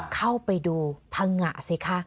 เข้าไปดูพังงะสิคะ